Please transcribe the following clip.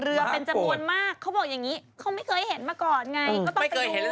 เอามากกวดอีกเค้าถูงมากกวด